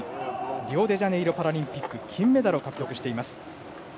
リオデジャネイロパラリンピック金メダルを獲得しています。